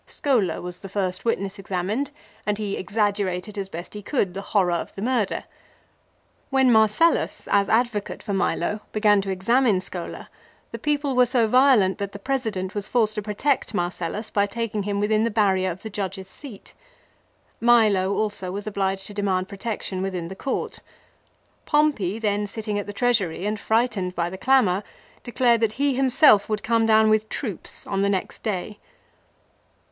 Schola was the first witness examined, and he exaggerated as best he could the horror of the murder. When Marcellus, as advocate for Milo, began to examine Schola the people were so violent that the President was forced to protect Marcellus by taking him within the barrier of the judge's seat. Milo also was obliged to demand protection within the court. Pompey, then sitting at the Treasury and frightened by the clamour, declared that he himself would come down with troops on the next day.